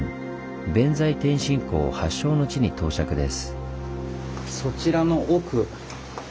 弁財天信仰発祥の地に到着です。